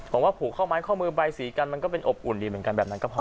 ผมว่าผูกข้อไม้ข้อมือใบสีกันมันก็เป็นอบอุ่นดีเหมือนกันแบบนั้นก็พอ